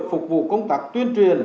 phục vụ công tác tuyên truyền